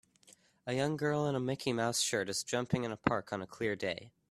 A young girl in a Mickey Mouse shirt is jumping in a park on a clear day.